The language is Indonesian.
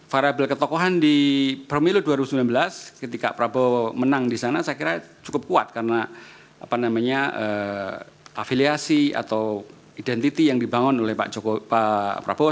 variabel ketokohan di pemilu dua ribu sembilan belas ketika prabowo menang di sana saya kira cukup kuat karena afiliasi atau identitas yang dibangun oleh pak prabowo